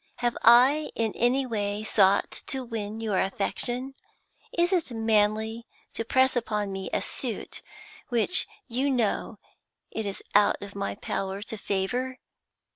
Have I in any way sought to win your affection? Is it manly to press upon me a suit which you know it is out of my power to favour?